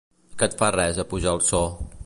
Que et fa res apujar el so?